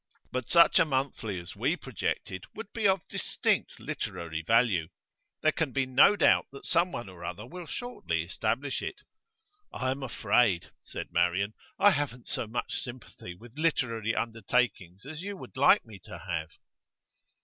But such a monthly as we projected would be of distinct literary value. There can be no doubt that someone or other will shortly establish it.' 'I am afraid,' said Marian, 'I haven't so much sympathy with literary undertakings as you would like me to have.